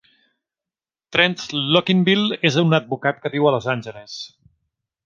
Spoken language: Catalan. Trent Luckinbill és un advocat que viu a Los Angeles.